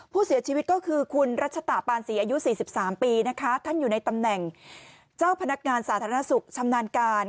ผู้เสียชีวิตก็คือคุณรัชตะปานศรีอายุ๔๓ปีนะคะท่านอยู่ในตำแหน่งเจ้าพนักงานสาธารณสุขชำนาญการ